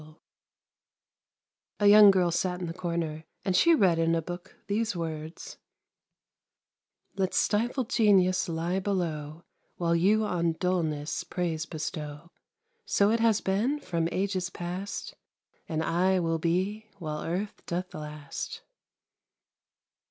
244 ANDERSEN'S FAIRY TALES " A young girl sat in a corner, and she read in a book these words :' Let stifled genius lie below, While you on dulness praise bestow, So has it been from ages past And aye will be, while earth doth last.'